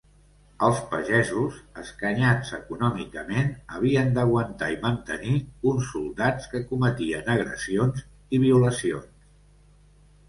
Els pagesos, escanyats econòmicament, havien d'aguantar i mantenir uns soldats que cometien agressions i violacions.